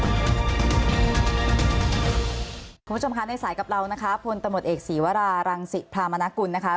คุณผู้ชมคะในสายกับเรานะคะพลตำรวจเอกศีวรารังศิพรามนกุลนะคะ